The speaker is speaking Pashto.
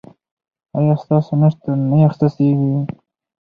ایا ستاسو نشتون نه احساسیږي؟